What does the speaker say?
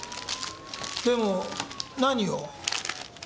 でも何を？